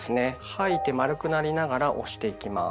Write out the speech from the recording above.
吐いて丸くなりながら押していきます。